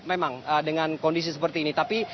memang dengan kondisi seperti ini tapi